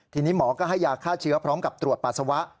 ทีนี้หมอก็ให้ยาฆ่าเชื้อพร้อมกับตรวจปัสสาวะ